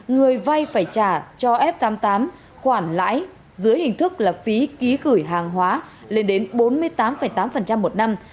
người vay phải trả cho f tám mươi tám khoản lãi dưới hình thức là phí ký gửi hàng hóa lên đến bốn mươi tám tám một năm